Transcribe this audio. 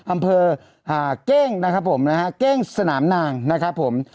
อำเภอเก้งนะครับผมนะฮะเก้งสนามนางนะครับผม